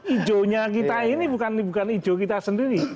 ijo nya kita ini bukan ijo kita sendiri